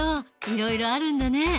いろいろあるんだね。